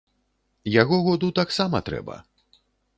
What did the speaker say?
Яго году таксама трэба.